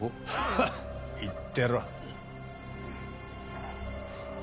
フッ言ってろ。